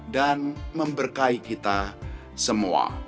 dan memberkai kita semua